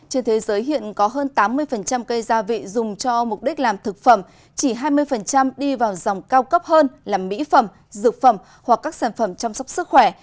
trên thế giới hiện có hơn tám mươi cây gia vị dùng cho mục đích làm thực phẩm chỉ hai mươi đi vào dòng cao cấp hơn là mỹ phẩm dược phẩm hoặc các sản phẩm chăm sóc sức khỏe